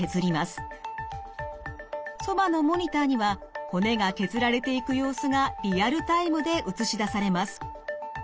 そばのモニターには骨が削られていく様子がリアルタイムで映し出されます。